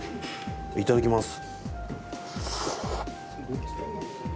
いただきます。